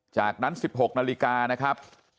จากนั้น๑๖นาฬิกานะครับ